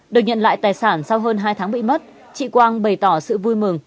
được nhận lại tài sản sau hơn hai tháng bị mất chị quang bày tỏ sự vui mừng